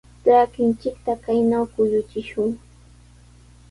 Trakinchikta kaynaw kuyuchishun.